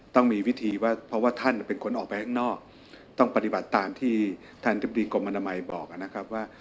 ต้องมีวิธีว่าเพราะว่าท่านเป็นคนออกไปข้างนอกต้องปฏิบัติตามที่ท่านอธิบดีกรมอนามัยบอกนะครับว่า